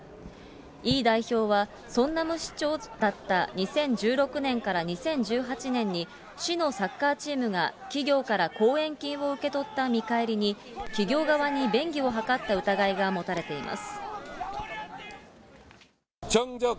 イ代表はソンナム市長だった２０１６年から２０１８年に、市のサッカーチームが企業から後援金を受け取った見返りに、企業側に便宜を図った疑いが持たれています。